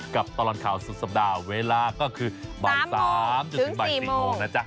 กับตลอดข่าวสุดสัปดาห์เวลาก็คือ๓๐๐นถึง๔๐๐นนะจ๊ะ